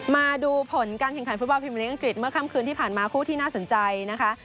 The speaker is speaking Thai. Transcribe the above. มาดูผลการแข่งขันฟุตบอลพิมพลิกอังกฤษเมื่อค่ำคืนที่ผ่านมาคู่ที่น่าสนใจนะคะ